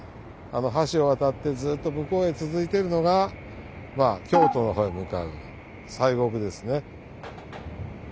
橋を渡ってずっと向こうへ続いてるのがまあ京都の方へ向かう西国ですね。